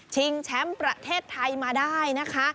ชิงแชมประเทศไทยมาได้นะคะ